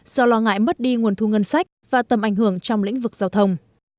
do lo ngại mất đi nguồn thu ngân sách và tầm ảnh hưởng trong lĩnh vực giao thông